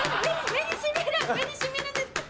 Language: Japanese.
目にしみるんですけど。